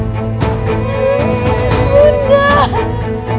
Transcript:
jangan tinggalkan rata